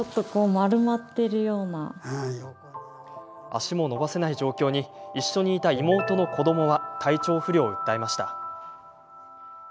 足も伸ばせない状況に一緒にいた妹の子どもは体調不良を訴えました。